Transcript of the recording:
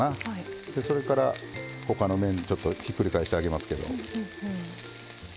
それから他の面にちょっとひっくり返してあげますけど。